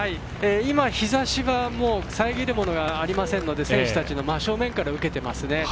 今、日ざしは遮るものがありませんので選手たちの真正面から受けてます。